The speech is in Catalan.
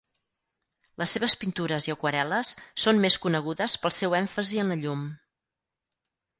Les seves pintures i aquarel·les són més conegudes pel seu èmfasi en la llum.